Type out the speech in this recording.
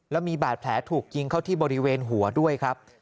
แล้วมีบาดแผลถูกยิงเข้าที่บริเวณหัวด้วยครับ